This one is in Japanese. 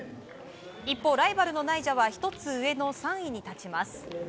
一方、ライバルのナイジャは１つ上の３位に立ちます。